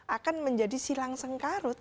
akan menjadi silang sengkarut